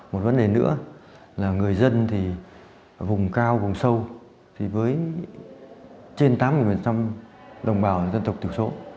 một vấn đề nữa là người dân thì vùng cao vùng sâu thì với trên tám mươi đồng bào dân tộc thiểu số